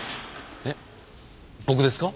えっ僕ですか？